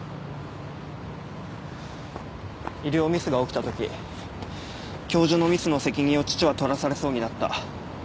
医療ミスが起きたとき教授のミスの責任を父は取らされそうになった。